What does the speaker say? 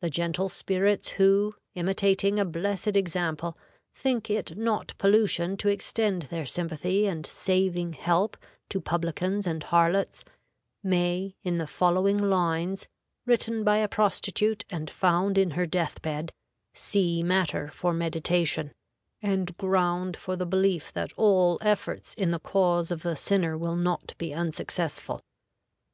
The gentle spirits who, imitating a blessed example, think it not pollution to extend their sympathy and saving help to publicans and harlots, may, in the following lines, written by a prostitute and found in her death bed, see matter for meditation, and ground for the belief that all efforts in the cause of the sinner will not be unsuccessful.